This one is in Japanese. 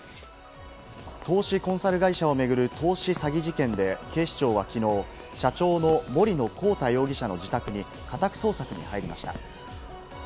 投資コンサル会社をめぐる投資詐欺事件で、警視庁は昨日、社長の森野広太容疑者の自宅に家宅捜索に入りました。